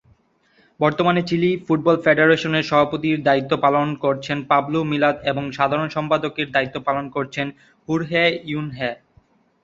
বর্তমানে Chile football ফেডারেশনের সভাপতির দায়িত্ব পালন করছেন পাবলো মিলাদ এবং সাধারণ সম্পাদকের দায়িত্ব পালন করছেন হোর্হে ইয়ুনহে।